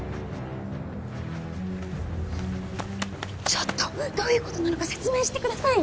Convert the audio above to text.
ちょっとどういうことなのか説明してくださいよ